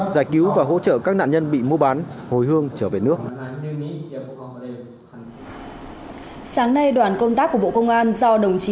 giải cứu và hỗ trợ các nạn nhân bị mua bán hồi hương trở về nước